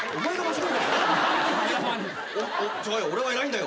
俺は偉いんだよ。